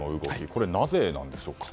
これはなぜなんでしょうか？